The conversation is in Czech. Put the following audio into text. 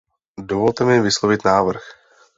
Dovolte mi vyslovit návrh.